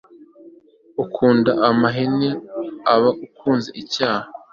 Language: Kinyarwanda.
ukunda amahane aba akunze icyaha